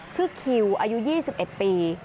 ชื่อคิวอายุ๒๑ปี